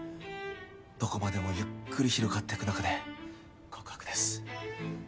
どこまでもゆっくり広がっていく中で告白です。